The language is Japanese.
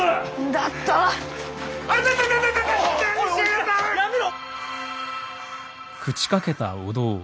やめろ！